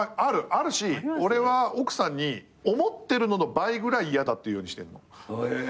あるし俺は奥さんに思ってるのの倍ぐらい嫌だって言うようにしてんの。